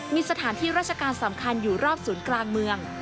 มีสถานที่ราชการสำคัญอยู่รอบศูนย์กลางเมือง